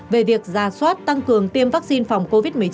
về việc ra soát tăng cường tiêm vaccine phòng covid một mươi chín